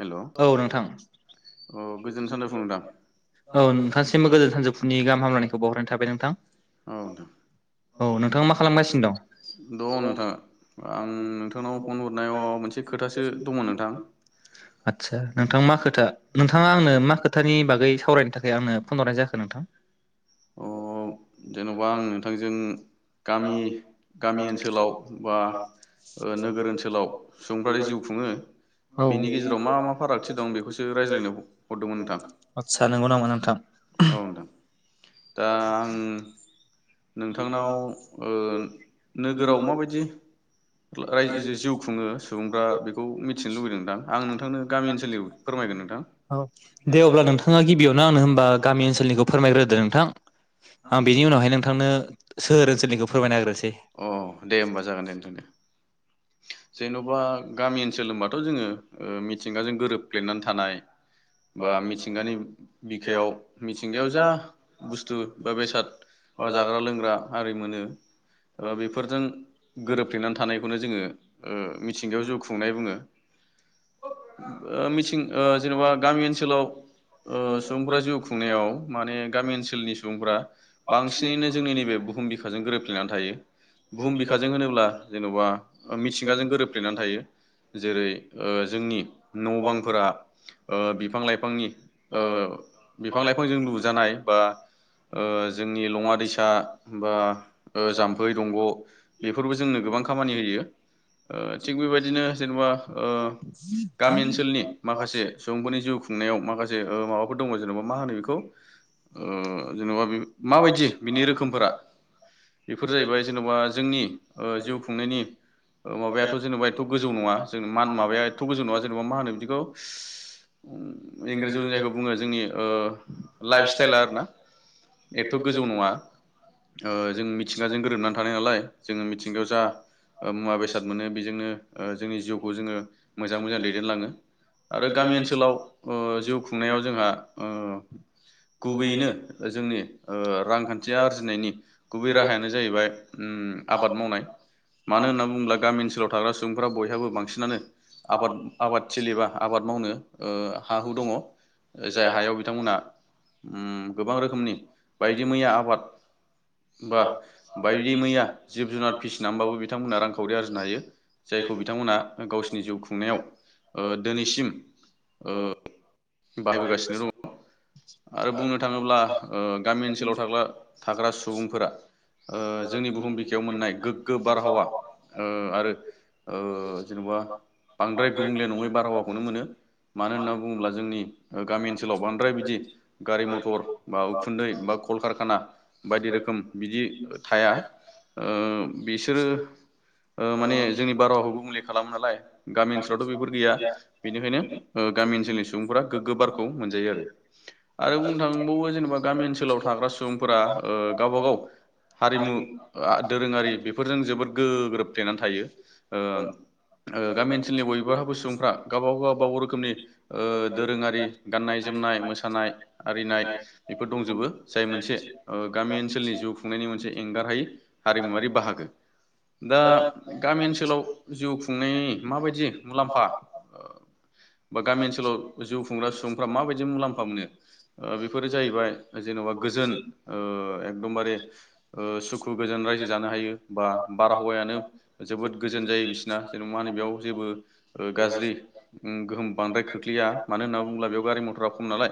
हेल' अ औ नोंथां गोजोन सानजुफुं नोंथां औ नोंथां नोंथांसिमबो गोजोन सानजौफुनि गाहाम हामलायनायखौ बावहरनाय थाबाय नोंथां औ नोंथाङा मा खालामगासिनो दं द' नोंथां आं नोंथांनाव फन हरनायाव मोनसे खोथासो दङ नोंथां। आदसा नोंथां मा खोथा नोंथाङा आंनो मा खोथानि बागै सावरायनो थाखाय आंनो फन हरनाय जाखो नों थां अ जेनेबा आं नोंथांजों [unintelligible] औ गामि गामि ओनसोलाव बा ओ नोगोर ओनसोलाव सुबुंफ्रादि जिउ खुङो बेनि गेजेराव मा मा फारागथि दं बेखौसो रायज्लायनो हरदोंमोन नोंथां आदसा नंगौ नामा नोंथां? ओ आं [unintelligible] नोंथांनाव ओ नोगोराव माबायदि रायजो जिउ खुङो सुबुंफ्रा बेखौ मिथिनो लुबैदों नोंथां आं नोंथांनो गामि ओनसोलनि फोरमायगोन नोंथां औ दे अब्ला नोंथाङा गिबियावनो आंनो होनबा गामि ओनसोलनिखौ फोरमायग्रोदों नोंथां आ बिनि उनावहाय सोहोर ओनसोलनिखौ फोरमायना होग्रोसै अ दे होनबा जागोन दे नोंथांनो जेन'बा गामि ओनसोल होनबाथ' जोङो ओ मिथिंगाजों गोरोबफ्लेनानै थानाय बा मिथिंगानि बिखायाव मिथिंगायाव जा बुस्थु बा बेसाद बा जाग्रा लोंग्रा आरि मोनो बेफोरजों गोरोबथ्लेनानै थानायखौनो जोङो ओ मिथिंगायाव जिउ खुंनाय बुङो ओ मिथिं ओ जेन'बा गामि ओनसोलाव ओ सुबुंफोरा जिउ खुंनायाव माने गामि ओनसोलनि सुबुंफोरा बांसिनैनो जोंनि नैबे बुहुम बिखाजों गोरोबफ्लेनानै थायो बुहुम बिखाजों होनोब्ला जेन'बा मिथिंगाजों गोरोबफ्लेनानै थायो जेरै ओ जोंनि न' बांफोरा ओ बिफां लाइफांनि बिफां लाइफांजों लुजानाय बा जोंनि लङा दैसा बा जाम्फै दंग' बेफोरबो जोंनो गोबां खामानि होयो ओ थिग बेबायदिनो जेनेबा गामि ओनसोलनि माखासे सुबुंफोरनि जिउ खुंनायाव माखासे ओ माबाफोर दङ जेनेबा मा होनो बेखौ ओ जेन'बा बे माबायदि बिनि रोखोमफोरा बेफोर जाहैबाय जेन'बा जोंनि जिउ खुंनायनि माबायाथ' जेनेबा एथ' गोजौ नङा ज मान माबाया एथ' गोजौ नङा जेनेबा मा होनो बिदिखौ इंराजियाव जायखौ बुङो जोंनि ओ लाइफ स्टाइला आरो ना एथथ' गोजौ नङा ओ जों मिथिंगाजों गोरोबनानै थानाय नालाय जोङो मिथिंगायाव जा मुवा बेसाद मोनो बेजोंनो जोंनि जिउखौ जोङो मोजां मोजां दैदेनलाङो आरो गामि ओनसोलाव ओ जिउ खुंनायाव जोंहा ओ गुबैयैनो जोंनि ओ रांखान्थि आरजिनायनि गुबै राहायानो जाहैबाय आबाद मावनाय मानो होनना बुङोब्ला गामि ओनसोलाव थाग्रा सुबुंफोरा बयहाबो बांसिनानो आबाद आबाद थिलिबा आबाद मावनो ओ हा हु दङ जाय हायाव बिथांमोनहा उम गोबां रोखोमनि बायदि मैया आबाद बा बायदि मैया जिब जुनार फिसिनानैबाबो बिथांमोना रांखावरि आरजिनो हायो जायखौ बिथांमोना गावसिनि जिउ खुंनायाव ओ दिनैसिम ओ आरो बुंनो [unintelligible] थाङोब्ला ओ गामि ओनसोलाव थाग्ला थाग्रा सुबुंफोरा ओ जोंनि बुहुम बिखायाव मोननाय गोग्गो बारहावा ओ आरो ओ जेनेबा बांद्राय गुबुंले नङै बारहावाखौनो मोनो मानो होनना बुङोब्ला जोंनि गामि ओनसोलाव बांद्राय बिदि गारि मथर थर बा उखुन्दै बा कलकारखाना बायदि रोखोम बिदि थाया ओ बिसोरो ओ माने जोंनि बारहावखौबो गुबुंले खालामो नालाय गामि ओनसोलावथ' बेफोर गैया बेनिखायनो गामि ओनसोलनि सुबुंफोरा गोग्गो बारखौ मोनजायो आरो आरो बुंनो थांबावो जेनेबा गामि ओनसोलाव थाग्रा सुबुंफोरा ओ गावबा गाव हारिमु दोरोङारि बेफोरजों जोबोद गोग्रोबफ्लेनानै थायो ओ ओ गामि ओनसोलनि बयबाबो सुबुंफ्रा गावबा गावबागाव रोखोमनि ओ दोरोङारि गाननाय जोमनाय मोसानाय आरिनाय बेफोर दंजोबो जाय मोनसे ओ गामि ओनसोलनि जिउ खुंनायनि मोनसे एंगारहायै हारिमुवारि बाहागो दा गामि ओनसोलाव जिउ खुंनाय माबायदि मुलाम्फा बा गामि ओनसोलाव जिउ खुंग्रा सुबुंफ्रा माबायदि मुलाम्फा मोनो ओ बेफोरो जाहैबाय जेनेबा गोजोन ओ एकदमबारे ओ सुखु गोजोन रायजो जानो हायो बा बारहावायानो जोबोद गोजोन जायो बिसिना जेनेब मा होनो बेयाव जेबो ओ गाज्रि गोहोम बांद्राय खोख्लैया होननानै ब बेयाव गारि मथरा नालाय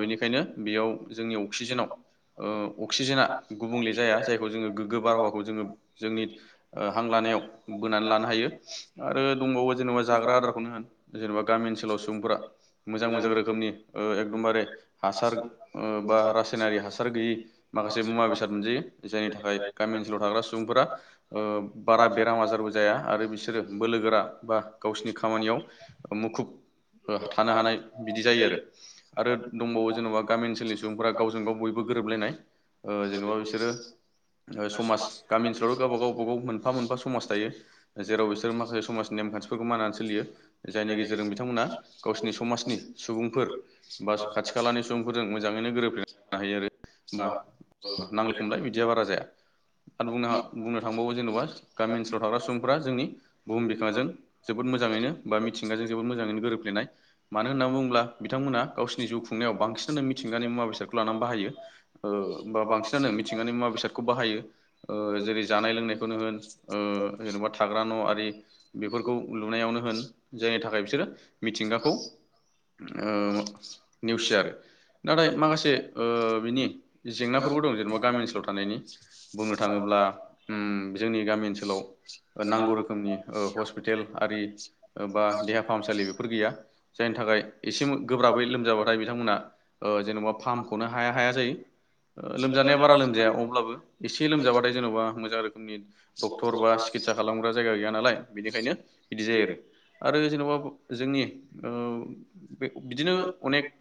बेनिखायनो बेयाव जोंनिसिजे गुबुंले ज जाय ज गोगो बारहावाखौ ज जोंनि हां लानायाव बोनानै लानो हायो आरो दंबावो जेनेबा जाग्रा आदारखौनो होन गामि ओनसोलाव सुबुंफोरा मोजां मोजां रोखोमनि एकदमबारे हासार बा रासायनारि हासार गैयि माखासे मुवा बेसाद मोनजायो जायनि थाखाय गामि ओनसोलाव थाग्रा सुबुंफोरा बारा बेराम आजारबो जाया आरो बिसोरो बोलो गोरा बा गावसिनि खामानियाव मुखुब ओ थानो हानाय बिदि जायो आरो आरो दंबावो जेन'बा गामि ओनसोलनि सुबुंफोरा गावजों गाव बयबो गोरोबलायनाय जेन'बा बिसोरो समाज गामि ओनसोलावथ' गावब गावब गाव मोनफा मोनफा समाज थायो जेराव बिसोरो माखासे समाजनि नेम खान्थिफोरखौ मानिनानै सोलियो जायनि गेजेरजों बिथांमोना गावसिनि समाजनि सुबुंफोर बा खाथि खालानि सुबुंफोरजों मोजाङैनो गोरोबफ्लेरनानैानो हायो आरो बा नांलाय खमलाय बिदिया बारा जाया आरो बुंनो बुंनो थांबावो जेन'बा गामि ओनसोलाव थाग्रा सुबुंफोरा जोंनि बुहुम बिखाजों जोबोद मोजाङैनो बा मिथिंगाजों जोबोर मोजाङै गोरोबफेनाय मानो होननानै बुङोब्ला बिथांमोना गावसिनि जिउ खुंनायाव बांसिनानो मिथिंगानि मुवा बेसादखौ लानानै बाहायो बा बांसिनानो मिथिंगानि मुवा बेसादखौ बाहायो जेरै जानाय लोंनायखौनो होन जेनेबा थाग्रा न' आरि बेफोरखौ लुनायावनो होन जायनि थाखाय बिसोरो मिथिंगा खौ ओ नेवसिया आरो नाथाय ओ माखासे बिनि जेंनाफोरबो दं जेनेबा गामि ओनसोलाव थानायनि बुंनो थाङोब्ला ओम जोंनि गामि ओनसोलाव नांगौ रोखोमनि हस्पिटेल आरि बा देहा फाहामसालि बेफोर गैया जायनि थाखाय गोब्राबै लोमजाबाथाय बिथांमोना जेन'बा ओ फाहामखनो हाया हाया जायो लोमजानाया बारा लोमजाया अब्लाबो एसे लोमजाबाथाय जेन'बा मोजां रोखोमनि डक्टर बा सिकितसा खालामग्रा जायगा गैया नालाय बेनिखायनो बिदि जायो आरो आरो जेन'बा जोंनि ओ बे बिदिनो अनेक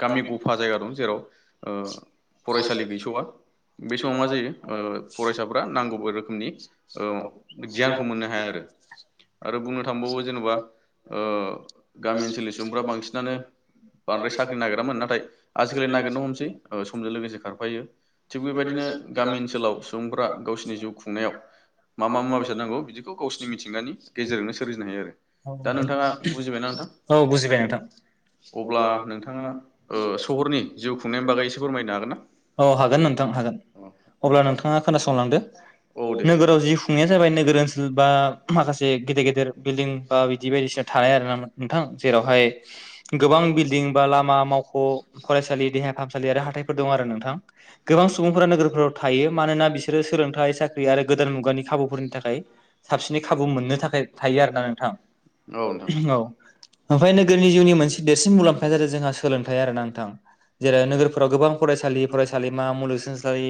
गामि गफा जायगा दं जेराव ओ फरायसालि गैस'आ बे समाव मा जायो फरायसाफ्रा नांगौ रोखोमनि गियानखौ मोननो हाया आरो आरो बुंनो थांबावो जेनेबा ओ गामि ओनसनि सुबुंफोरारा बांसिनानो बांद्राय साख्रि नागिरामोन नाथाय आजिखालि नागिरनो हमसै समजों लोगोसे खारफायो थिग बेबायदिनो गामि ओनसोलाव सुबुंफ्रा गावसिनि जिउ खुंनायाव मा मा मुवा बेसाद नांगौ बिदिखौ गावसिोरनि मिथिंगानि गेजेरजोंनो सोरजिनो हायो आरो दा नोंथाङा बुजिबायना नोंथां औ बुजिबाय नोंथां अब्ला नोंथाङा ओ सहरनि जिउ खुंनायनि बागै एसे फोरमायनो हागोन ना [unintelligible] अ हागोन नोंथां हागोन अब्ला नोंथाङा खोनासंलांदो औ दे नोगोराव औ जिउ खुंनाया जाबाय नोगोर ओनसोल बा माखासे गेदेर गेदेर बिलडिं बा बिदि बायदिसिना थाया आरोना नोंथां जेरावहाय गोबां बिल्डिं बा लामा मावख' फरायसालि देहा फाहामसालि आरो हाथाइफोर दं आरो नोंथां गोबां सुबुंफोरा नोगोरफोराव थायो मानोना बिसोरो सोलोंथायाइ साख्रि आरो गोदान मुगानि खाबुफोरनि थाखाय साबसिनै खाबु मोननो थाखाय थायो आरो ना नोंथां औ ओमफ्राय नोगोरनि जिउनि मोनसे देरसिन मुलाम्फाया जादों जोंहा सोलोंथायाइ आरो ना नोंथां जेरै नोगोरफोराव गोबां फरायसालि फरायसालिमा मुलुगसोंसालि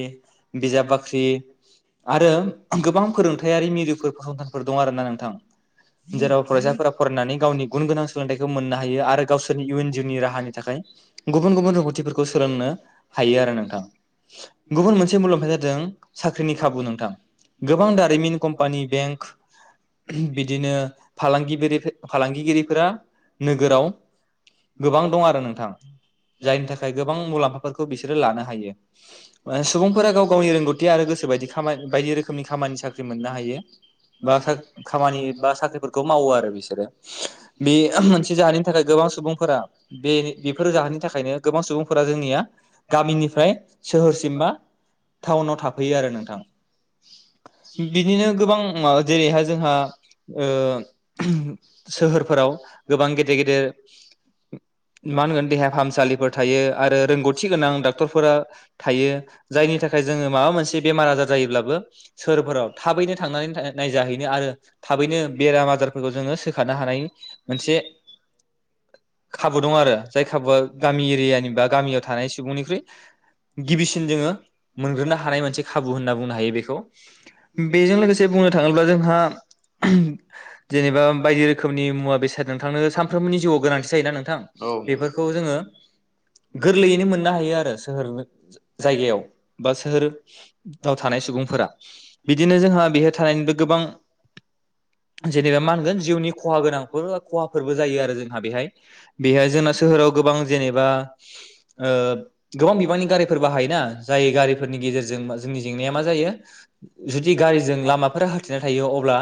बिजाब बाख्रि आरो गोबां फोरोंथायारि मिरुफोर फसंथानफोर दं आरो ना नोंथां जेराव फरायसाफोरा फरायनानै गावनि गुन गोनां सोलोंथाइखौ मोननो हायो गावसोरनि इयुन जिउनि राहानि थाखाय गुबुन गुबुन रोंगौथिफोरखौ सोलोंनो हायो आरो नोंथां गुबुन मोनसे मुलाम्फाया जादों साख्रिनि खाबु नोंथां गोबां दारिमिन कम्पानि बेंक बिदिनो फालांगि फालांगि रिफोरा नोगोराव गोबां दं आरो नोंथां जायनि थाखाय गोबां मुलाम्फाफोरखौ बिसोरो लानो हायो ओ सुबुंफोरा गाव गावनि रोंगौथि आरो गोसो बायदि खामानि बायदि रोखोमनि खामानि साख्रि मोननो हायो बा खामानि बा साख्रिफोरखौ मावो आरो बिसोरो बे मोनसे जाहोननि थाखाय गोबां फोरा बे बेफोर जाहोननि थाखायनो गोबां सुबुंफोरा जोंनिया गामिनिफ्राय सोहोरसिम बा टाउनाव थाफैयो आरो नोंथां बिदिनो गोबां जेरैहाय जोंहा ओ सोहोरफोराव गोबां गेदेर गेदेर मा होनगोन देहा फाहामसालिफोर थायो आरो रोंगौथि गोनां डाक्टरफोरा थायो जायनि थाखाय जोङो माबा मोनसे बेमार आजार जायोब्लाबो सोरफोराव थाबैनो थांनानै नायजाहैनो आरो थाबैनो बेराम आजारफोरखौ जोङो सोखानो हानायनि मोनसे खाबु दं आरो जाय खाबुआ गामि एरियानि बा गामियाव थानाय सुबुंनिख्रुइ गिबिसिन जोङो मोनग्रोनो हानाय मोनसे खाबु होनना बुंनो हायो बेखौ बेजों लोगोसे बुंनो थाङोब्ला जोंहा जेनेबा बायदि रोखोमनि मुवा बेसाद नोंथांनो सानफ्रोमबोनि जिउआव गोनांथि जायोना नोंथां औ बेफोरखौ जोङो गोरलैयैनो मोननो हायो आरो सोहोर जायगायाव बा सोहोराव थानाय सुबुंफोरा बिदिनो जोंहा बेहाय थानायनिबो गोबां जेनेबा मा होनगोन जिउनि खहा गोनांफोर खहाफोरबो जायो आरो जोंहा बेहाय बेहाय जोंना सोहोराव गोबां जेनेबा ओ गोबां बिबांनि गारिफोर बाहायोना जाय गारिफोरनि गेजेरजों जोंनि जेंनाया मा जायो जुदि गारिजों लामाफोरा हथिना थायो अब्ला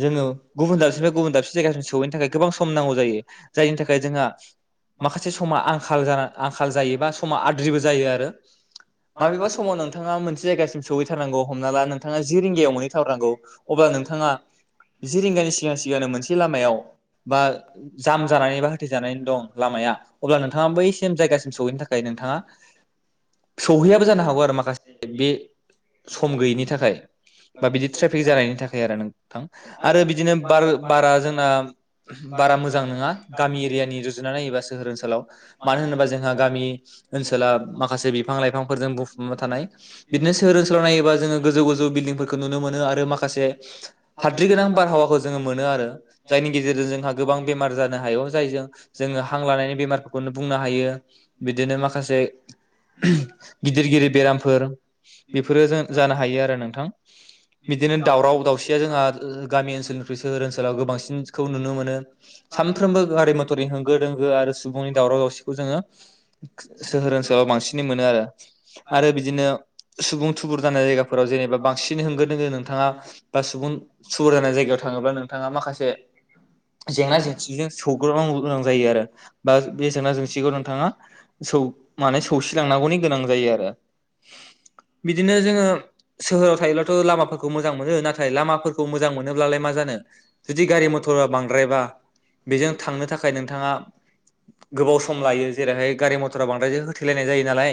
जोङो गुबुन दाबसेफ्राय गुबुन दाबसे जायगासिम सहैनो थाखाय गोबां सम नांगौ जायो जायनि थाखाय [unintelligible] माखासे समा आंखाल जाना आंखाल जायोबा समा आद्रिबो जायो आरो माबेबा समाव नोंथाङा मोनसे जायगासिम सहैथारनांगौ हमना ला नोंथाङा जि रिंगायाव मोनहैथारनांगौ अब्ला नोंथाङा जि रिंगानि सिगां सिगांनो मोनसे लामायाव बा जाम जानानै बा जानानै दं लामाया अब्ला नोंथाङा बै सेम जायगासिम सहैनो थाखाय नोंथाङा सौहैयाबो जानो हागौ आरो माखासे बे सम गैयैनि थाखाय बा बिदि ट्रेफिक जानायनि थाखाय आरो नोंथां आरो बिदिनो बार बारा जोंना बारा मोजां नङा गामि एरियानि रुजुना नायोबा सोहोर ओनसोलाव मानो होनोबा जोंहा गामि ओनसोला माखासे बिफां लाइफांफोरजों बुंफुबना थानाय बिदिनो सोहोर ओनसोलाव नायोबा जोङो गोजौ गोजौ बिल्डिंफोरखौ नुनो मोनो आरो माखासे हाद्रि गोनां बारहावाखौ जोङो मोनो आरो जायनि गेजेरजों जोंहा गोबां बेमार जानो हायो जायजों जोङो हां लानायनि बेमारफोरखौनो बुंनो हायो बिदिनो माखासे गिदिर गिदिर बेरामफोर बेफोरो जों जानो हायो आरो नोंथां बिदिनो दावराव दावसिया जोंहा गामि ओनसोलनिख्रुइ सोहोर ओनसोलाव गोबांसिनखौ नुनो मोनो सानफ्रोमबो गारि मथरनि होंगो दोंगो आरो सुबुंनि दावराव दावसिखौ जोङो सोहोर ओनसोलाव बांसिनै मोनो आरो आरो बिदिनो सुबुं थुबुर जानाय जायगाफोराव जेनेबा बांसिन होंगो दोंगो नोंथाङा बा सुबुं थुबुर जानाय जायगायाव थाङोब्ला नोंथाङा माखासे जेंना जेंसिजों सौग्रनांगौ गोनां जायो आरो बा बे जेंना जेंसिखौ नोंथाङा सौ माने सौसिलांनांगौनि गोनां जायो आरो बिदिनो जोङो सोहोराव थायोब्लाथ' लामाफोरखौ मोजां मोनो नाथाय लामाफोरखौ मोजां मोनोब्लालाय मा जानो जुदि गारि मथरा बांद्रायबा बेजों थांनो थाखाय नोंथाङा गोबाव सम लायो जेरैहाय गारि मथरा बांद्रायाय होथैेलायनाय जायो नालाय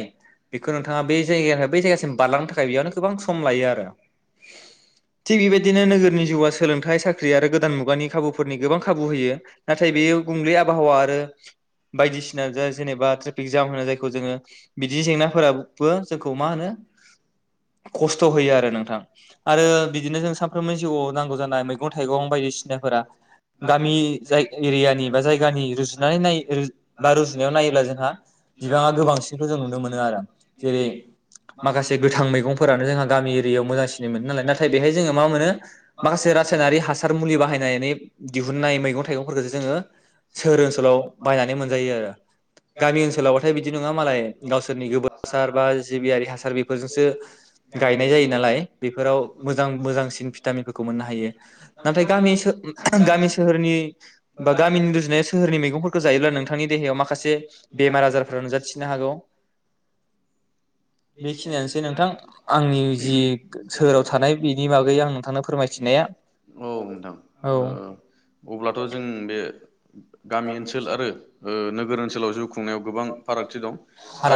बेखौ नोंथाङा बे जायगानिफ्राय बै जायगासिम बारलांनो थाखाय बेयावनो गोबां सम लायो आरो थिग बेबायदिनो नोगोरनि जिउआ सोलोंथाइ साख्रि आरो गोदान मुगानि खाबुफोरनि गोबां खाबु होयो नाथाय बेयो गुबुंले आबहावा आरो बायदिसिना जा जेनेबा ट्रेफिक जाम होनो जायखौ जोङो बिदि जेंनाफोराबो जोंखौ मा होनो खस्थ' होयो आरो नोंथां आरो बिदिनो जों सानफ्रोमबो जिउआव नांगौ जानाय मैगं थाइगं बायदिसिनाफोरा गामि एरियानि बा जायगानि रुजुनानै नाय बा रुजुनायाव नायोब्ला जोंहा बिबाङा गोबांसिनखौ जों नुनो मोनो आरो जेरै माखासे गोथां मैगंफोरानो जोंहा गामि एरियायाव मोजांसिन मोनो नालाय नाथाय बेहाय जोङो मा मोनो माखासे रासायनारि हासार मुलि बाहायनानै दिहुननाय मैगं थाइगं फोरखौ जोङो सोहोर ओनसोलाव बायनानै मोनजायो आरो गामि ओनसोलावबाथाय बिदि नङा मालाय गावसोरनि गोबोर हासार बा जिबियारि हासार बेफोरजोंसो गायनाय जायो नालाय बेफोराव मोजां मोजांसिन भिटामिनफोरखौ मोननो हायो नाथाय गामि सो गामि सोहोरनि बा गामिनि रुजुनायाव सोहोरनि मैगंफोरखौ जायोब्ला नोंथांनि देहायाव माखासे बेमार आजारफोरा नुजाथिनो हागौ बेखिनियानोसै नोंथां आंनि जि सोहोराव थानाय बेनि बागै आं नोंथांनो फोरमायथिनाया औ औ नोंथां अब्लाथ' जों बे गामि ओनसोल आरो ओ नोगोर ओनसोलाव जिउ खुंनायाव गोबां फारागथि दं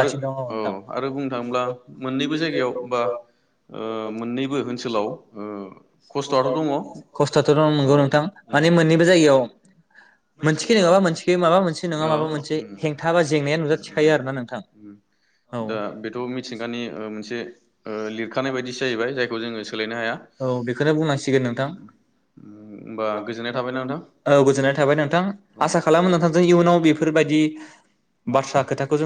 आरो दङ ओ नोंथां आरो बुं बुंनो थाङोब्ला मोननैबो जायायाव बा ओ मोननैबो ओनसोलाव ओ खस्थ'आथ' दङ खस्थ'आथ' दं नंगौ नोंथां माने मोननैबो जायगायाव औ मोनसेखै नङाबा मोनसेखै माबा मोनसे नङा माबा उम मोनसे उम हेंथा बा जेंनाया नुजाथिखायो आरोना नोंथां उम औ दा बेथ' मिथिंगानि मोनसे ओ लिरखानाय बायदिसो जाहैबाय जायखौ जोङो सोलायनो हाया औ बेखौनो बुंनांसिगोन नोंथां होनबा गोजोननाय थाबाय ना नोंथां औ गोजोननाय थाबाय आसा खालामो बिथांजों इयुनाव बेफोरबायदि बाथ्रा खोथाखौ जों [unintelligible]